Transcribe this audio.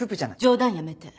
冗談やめて。